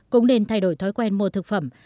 cũng nên thay đổi thói quen mua thực phẩm